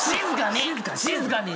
静かに。